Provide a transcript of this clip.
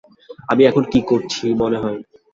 আমি এখন কী করছি, মনে হয়?